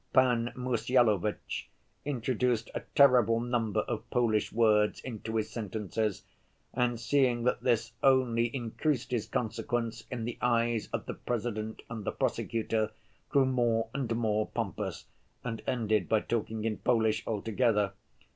Pan Mussyalovitch introduced a terrible number of Polish words into his sentences, and seeing that this only increased his consequence in the eyes of the President and the prosecutor, grew more and more pompous, and ended by talking in Polish altogether.